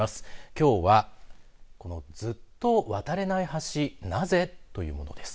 きょうはずっと渡れない橋なぜ？というものです。